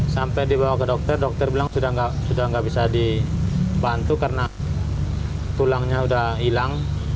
sampai dibawa ke dokter dokter bilang sudah nggak bisa dibantu karena tulangnya sudah hilang